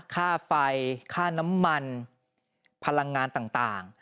ค่าไฟค่าน้ำมันพลังงานต่าง